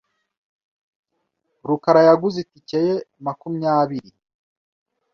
rukara yaguze itike ye makumyabiri